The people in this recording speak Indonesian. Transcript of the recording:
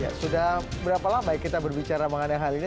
ya sudah berapa lama kita berbicara mengenai hal ini